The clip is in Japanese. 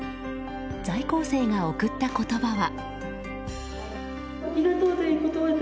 在校生が送った言葉は。